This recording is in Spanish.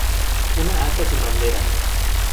Un asta sin bandera.